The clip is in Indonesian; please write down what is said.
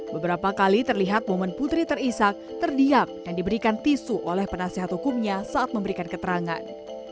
beberapa kali terlihat momen putri terisak terdiam dan diberikan tisu oleh penasehat hukumnya saat memberikan keterangan